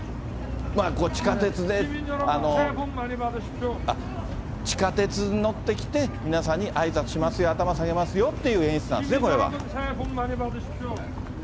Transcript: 地下鉄であっ、地下鉄に乗ってきて、皆さんにあいさつしますよ、頭下げますよっていう演出なんですね、これは。